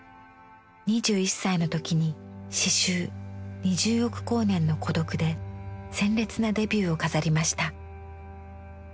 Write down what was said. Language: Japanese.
２１歳の時に詩集「二十億光年の孤独」で鮮烈なデビューを飾りました。